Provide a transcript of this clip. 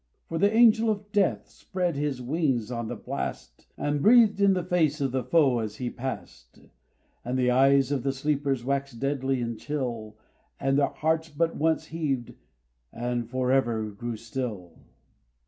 For the Angel of Death spread his wings on the blast, And breathed hi the face of the foe as he passed: And the eyes of the sleepers waxed deadly and chill, And their hearts but once heaved, and for ever grew still!